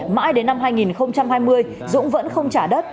mãi đến năm hai nghìn hai mươi dũng vẫn không trả đất